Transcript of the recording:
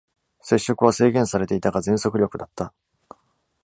接触は制限されていたが、全速力だった。